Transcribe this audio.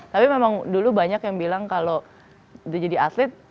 tapi memang dulu banyak yang bilang kalau udah jadi atlet